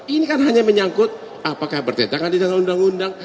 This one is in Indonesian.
ini kan hanya menyangkut apakah bertentangan di dalam undang undang